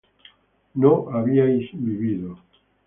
no habíais vivido